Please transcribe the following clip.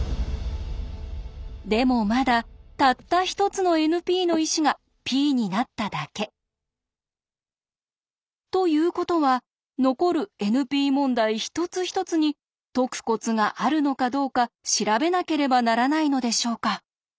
でもまだたった一つのＮＰの石がＰになっただけ。ということは残るＮＰ問題一つ一つに解くコツがあるのかどうか調べなければならないのでしょうか？